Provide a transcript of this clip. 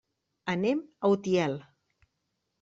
Anem a Utiel.